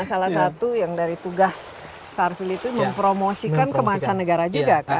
salah satu yang dari tugas sarfil itu mempromosikan ke mancanegara juga kan